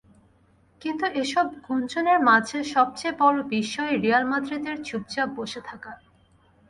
কিন্তু এসব গুঞ্জনের মাঝে সবচেয়ে বড় বিস্ময় রিয়াল মাদ্রিদের চুপচাপ বসে থাকা।